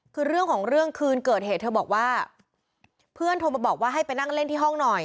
คือเรื่องของเรื่องคืนเกิดเหตุเธอบอกว่าเพื่อนโทรมาบอกว่าให้ไปนั่งเล่นที่ห้องหน่อย